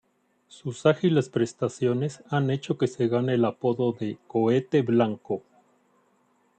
Sus ágiles prestaciones han hecho que se gane el apodo de "cohete blanco".